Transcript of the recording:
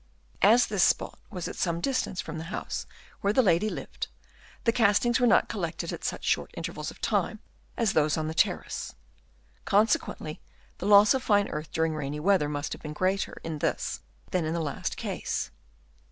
As this spot was at some distance from the house where the lady lived, the castings were not collected at such short intervals of time as those on the terrace ; consequently the loss of fine earth during rainy weather must have been greater in this than in the last case.